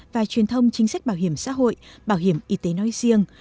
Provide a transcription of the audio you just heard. và truyền thông chính sách bảo hiểm xã hội bảo hiểm y tế nói riêng